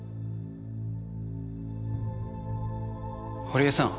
堀江さん。